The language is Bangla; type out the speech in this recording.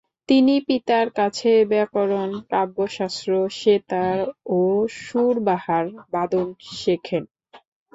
তিনি পিতার কাছে ব্যাকরণ, কাব্যশাস্ত্র, সেতার ও সুরবাহার বাদন শেখেন।